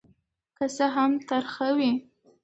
که څه هم ترخه وي.